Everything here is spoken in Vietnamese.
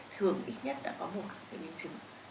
thường ít nhất đã có một cái biến chứng